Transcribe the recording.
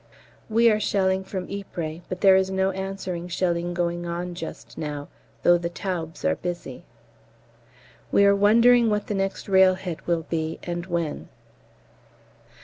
We are shelling from Ypres, but there is no answering shelling going on just now, though the Taubes are busy. We are wondering what the next railhead will be, and when.